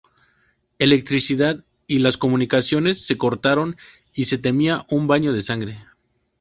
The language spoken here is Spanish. Electricidad y las comunicaciones se cortaron y se temía un baño de sangre.